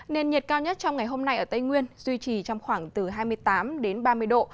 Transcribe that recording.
nền nhiệt cao nhất trong ngày hôm nay ở tây nguyên duy trì trong khoảng từ hai mươi tám ba mươi độ